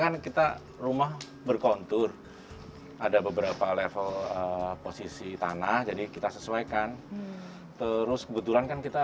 kan kita rumah berkontur ada beberapa level posisi tanah jadi kita sesuaikan terus kebetulan kan kita